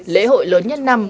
lễ hội lớn nhất năm